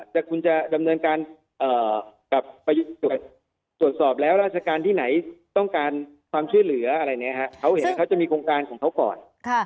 แต่คุณจะดำเนินการกลับไปตรวจสอบแล้วราชการที่ไหนต้องการความช่วยเหลืออะไรอย่างนี้เขาเห็นเขาจะมีโครงการของเขาก่อน